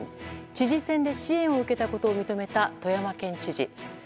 知事選で支援を受けたことを認めた富山県知事。